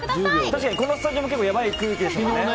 確かにこのスタジオもやばい空気でしたもんね。